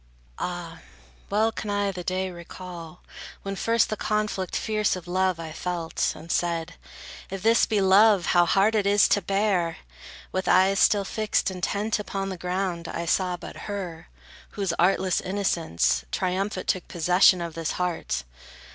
Ah, well can I the day recall, when first The conflict fierce of love I felt, and said: If this be love, how hard it is to bear! With eyes still fixed intent upon the ground, I saw but her, whose artless innocence, Triumphant took possession of this heart.